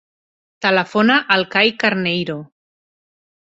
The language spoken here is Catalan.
Telefona al Kai Carneiro.